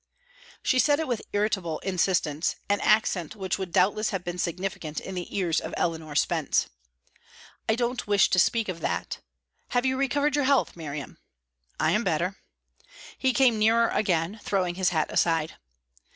She said it with irritable insistence an accent which would doubtless have been significant in the ears of Eleanor Spence. "I don't wish to speak of that. Have you recovered your health, Miriam?" "I am better." He came nearer again, throwing his hat aside.